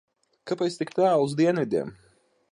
Kāpēc tik tālu uz dienvidiem?